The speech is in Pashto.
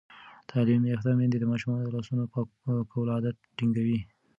تعلیم یافته میندې د ماشومانو د لاسونو پاکولو عادت ټینګوي.